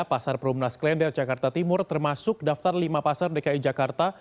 pasar perumnas klender jakarta timur termasuk daftar lima pasar dki jakarta